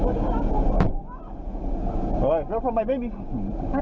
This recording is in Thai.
เฮ้ยแล้วทำไมไม่มี